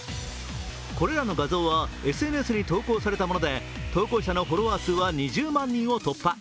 これらの画像はＳＮＳに投稿されたもので投稿者のフォロワー数は２０万人を突破。